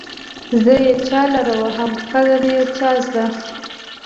زه يې چالره وهم قدر يې چازده